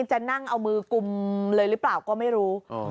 จะนั่งเอามือกุมเลยหรือเปล่าก็ไม่รู้